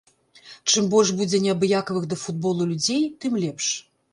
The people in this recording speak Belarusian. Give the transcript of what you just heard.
Чым больш будзе неабыякавых да футболу людзей, тым лепш.